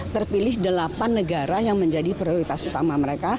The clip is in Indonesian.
terpilih delapan negara yang menjadi prioritas utama mereka